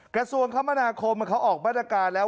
กระทรวงคมนาคมเขาออกมาตรการแล้ว